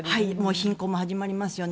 貧困も始まりますよね。